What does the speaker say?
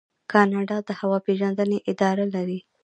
کاناډا د هوا پیژندنې اداره لري.